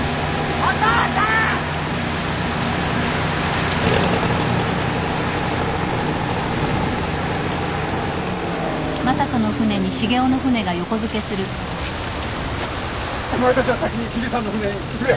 お前たちは先にシゲさんの船に移れ。